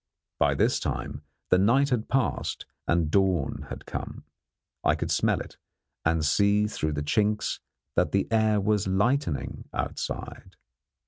By this time the night had passed and dawn had come. I could smell it, and see through the chinks that the air was lightening outside.